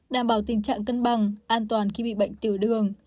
đảm bảo tình trạng cân bằng an toàn khi bị bệnh tiểu đường